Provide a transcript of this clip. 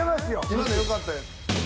今のよかったです。